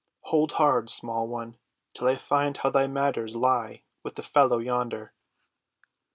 "Hold hard, small one, till I find how thy matters lie with the fellow yonder."